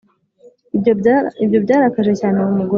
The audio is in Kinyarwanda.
Ibyo byarakaje cyane uwo mugore